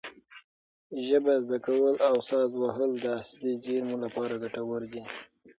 ژبه زده کول او ساز وهل د عصبي زېرمو لپاره ګټور دي.